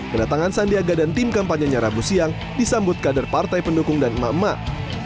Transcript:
kedatangan sandiaga dan tim kampanye nya rabu siang disambut kader partai pendukung dan emak emak